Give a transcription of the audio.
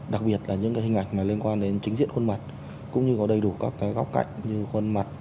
đặc biệt là những cái hình ảnh liên quan đến chính diện khuôn mặt cũng như có đầy đủ các cái góc cạnh như khuôn mặt